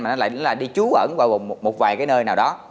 mà nó lại đi trú ẩn vào một vài cái nơi nào đó